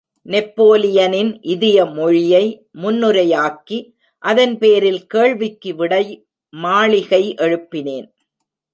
நெப்போலியனின் இதய மொழியை முன்னுரையாக்கி, அதன் பேரில், கேள்விக்கு விடைமாளிகை எழுப்பினேன்.